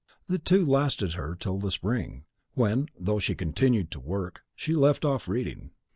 The two lasted her till the spring, when, though she continued to work, she left off reading.